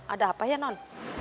ada apa ya non